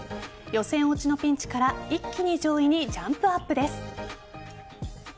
予選落ちのピンチから一気に上位にジャンプアップです。